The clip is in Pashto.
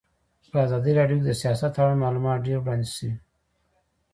په ازادي راډیو کې د سیاست اړوند معلومات ډېر وړاندې شوي.